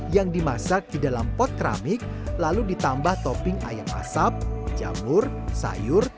yang dimasak di dalam pot keramik lalu ditambah topping ayam asap jamur sayur